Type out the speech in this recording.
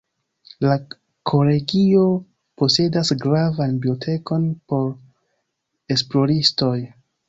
La Kolegio posedas gravan bibliotekon por esploristoj.